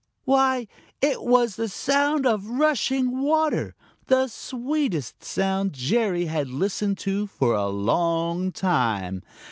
Why, it was the sound of rushing water, the sweetest sound Jerry had listened to for a long time.